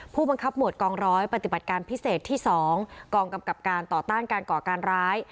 ผู้บังคับหมวดกองร้อยปฏิบัติการพิเศษที่๒กองกำกับการต่อต้านการก่อการร้าย